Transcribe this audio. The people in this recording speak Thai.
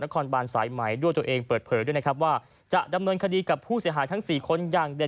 ก็เป็นเหตุการณ์ที่เกิดตั้งแต่